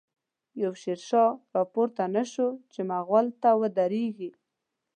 يو” شير شاه “راپورته نه شو، چی ” مغل” ته ودريږی